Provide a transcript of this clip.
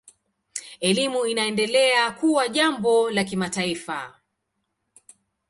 Elimu inaendelea kuwa jambo la kimataifa.